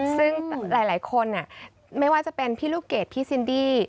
ซึ่งหลายคนไม่ว่าจะเป็นพี่ลูกเกดพี่ซินดี้